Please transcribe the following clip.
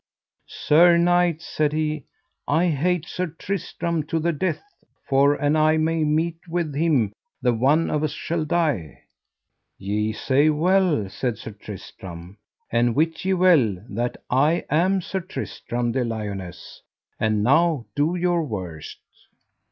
Sir knight, said he, I hate Sir Tristram to the death, for an I may meet with him the one of us shall die. Ye say well, said Sir Tristram, and wit ye well that I am Sir Tristram de Liones, and now do your worst.